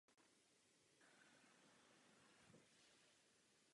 Naopak budeme podporovat zprávy, kde je navrhováno absolutorium odložit.